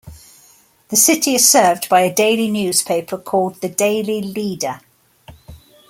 The city is served by a daily newspaper called "The Daily Leader".